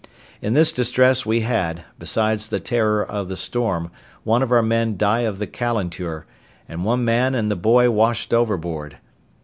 In this distress we had, besides the terror of the storm, one of our men die of the calenture, and one man and the boy washed overboard.